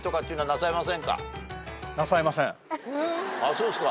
そうですか。